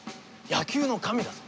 野球の神だぞ。